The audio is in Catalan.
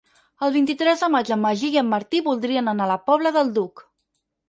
El vint-i-tres de maig en Magí i en Martí voldrien anar a la Pobla del Duc.